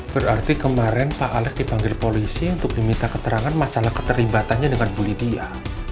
berarti kemarin pak alex dipanggil polisi untuk diminta keterangan masalah keterlibatannya dengan bully dia